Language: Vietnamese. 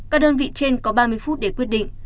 các đơn vị trên có ba mươi phút để quyết định